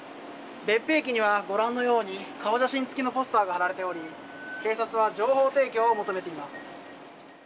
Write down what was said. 別府駅には、ご覧のように顔写真付きのポスターが貼られており警察は情報提供を求めています。